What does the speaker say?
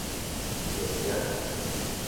著獎